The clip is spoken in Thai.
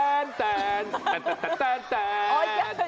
แสนแสนแสน